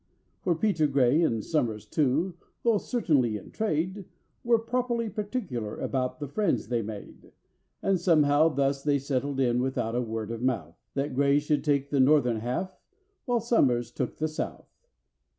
For PETER GRAY, and SOMERS too, though certainly in trade, Were properly particular about the friends they made; And somehow thus they settled it without a word of mouth— That GRAY should take the northern half, while SOMERS took the south.